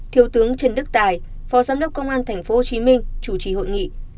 thiếu tướng trần đức tài phó giám đốc công an thành phố hồ chí minh chủ trì hội nghị